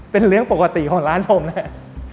เป็นเรื่องปกติของร้านผมแหละ